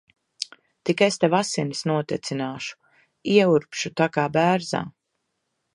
Tik es tev asinis notecināšu. Ieurbšu tā kā bērzā.